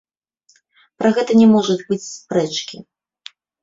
Пра гэта не можа быць спрэчкі.